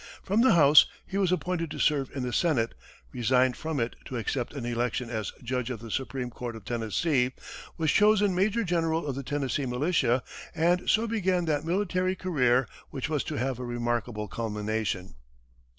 From the House, he was appointed to serve in the Senate, resigned from it to accept an election as Judge of the Supreme Court of Tennessee, was chosen major general of the Tennessee militia, and so began that military career which was to have a remarkable culmination.